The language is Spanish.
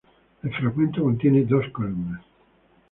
El fragmento contiene dos columnas.